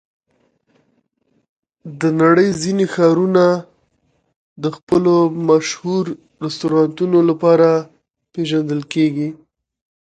د نړۍ ځینې ښارونه د خپلو مشهور رستورانتونو لپاره پېژندل کېږي.